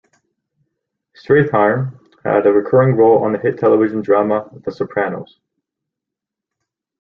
Strathairn had a recurring role on the hit television drama "The Sopranos".